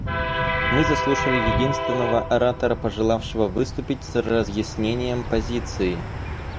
Мы заслушали единственного оратора, пожелавшего выступить с разъяснением позиции.